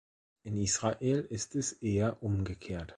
In Israel ist es eher umgekehrt.